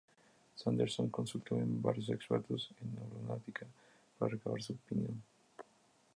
Sanderson consultó a varios expertos en aeronáutica para recabar su opinión.